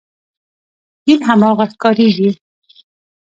دین هماغه ښکارېږي.